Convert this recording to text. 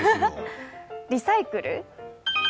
リサイクル？